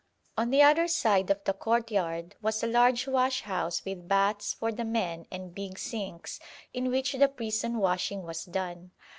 On the other side of the courtyard was a large washhouse with baths for the men and big sinks in which the prison washing was done.